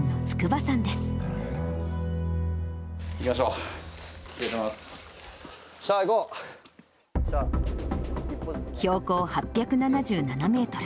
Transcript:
さあ、標高８７７メートル。